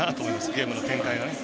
ゲームの展開がね。